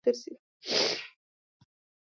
زما پلار د سهار له لمانځه وروسته تل په باغ کې ګرځي